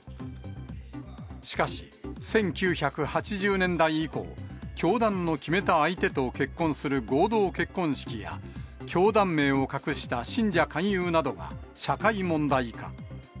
しかし、１９８０年代以降、教団の決めた相手と結婚する合同結婚式や、教団名を隠した信者勧誘などが社会問題化。